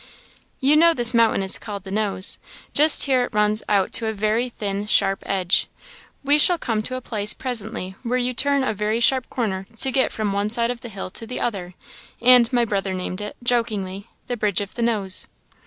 "You know this mountain is called the Nose. Just here it runs out to a very thin, sharp edge. We shall come to a place presently where you turn a very sharp corner to get from one side of the hill to the other; and my brother named it, jokingly, the Bridge of the Nose."